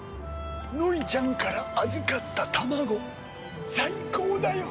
ノイちゃんから預かった卵最高だよ！